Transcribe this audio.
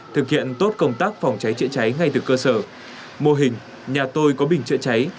thực hiện tốt công tác phòng cháy chữa cháy ngay từ cơ sở mô hình nhà tôi có bình chữa cháy